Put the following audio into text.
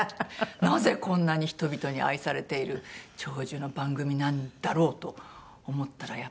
なぜこんなに人々に愛されている長寿の番組なんだろうと思ったらやっぱり。